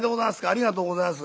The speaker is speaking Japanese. ありがとうございます。